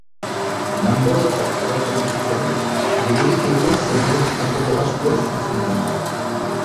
Danbor-hotsak zabaltzen dituztenek gehiegikeriez zein neurriz kanpoko gastuaz hitz egiten dute.